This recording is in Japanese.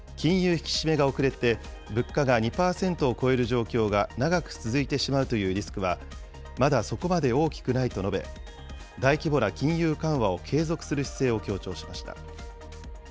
引き締めが遅れて物価が２％を超える状況が長く続いてしまうというリスクは、まだそこまで大きくないと述べ、大規模な金融緩和を継続する姿勢を強調しました。